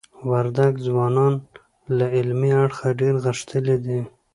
وردګ ځوانان له علمی اړخ دير غښتلي دي.